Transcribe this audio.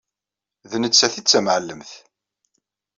D nettat i d tamɛellemt.